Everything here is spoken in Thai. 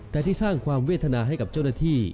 แต่ที่สร้างความเวทนาให้กับเจ้าหน้าที่